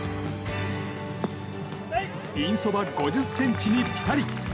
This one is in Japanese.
ピンそば５０ｃｍにピタリ。